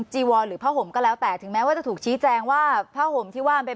จีวอนหรือผ้าห่มก็แล้วแต่ถึงแม้ว่าจะถูกชี้แจงว่าผ้าห่มที่ว่ามันเป็น